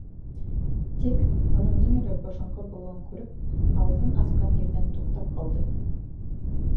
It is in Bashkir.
Тик, уның ниңәлер бошонҡо булыуын күреп, ауыҙын асҡан ерҙән туҡтап ҡалды.